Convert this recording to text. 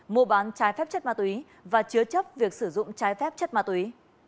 mua bán trái phép chất ma túy và chứa chấp việc sử dụng trái phép chất ma túy